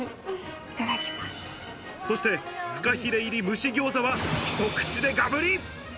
そしてフカヒレ入り蒸しぎょうざは、一口でガブリ。